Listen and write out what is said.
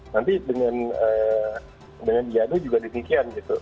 nanti dengan diado juga demikian gitu